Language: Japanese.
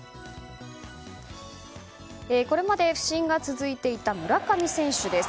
これまで不振が続いていた村上選手です。